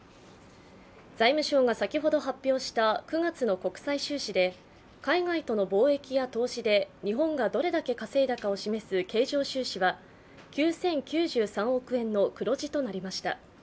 財務省が先ほど発表した９月の国際収支で海外との貿易や投資で日本がどれだけ稼いだかを示す経常収支は９０９３億円の黒字となりました。